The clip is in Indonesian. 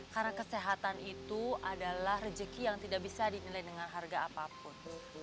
karena kesehatan itu adalah rejeki yang tidak bisa dinilai dengan harga apapun